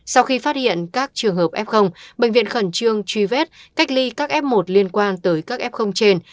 sau khi phát hiện các trường hợp f bệnh viện khẩn trương truy vết cách ly các f một liên quan tới các f trên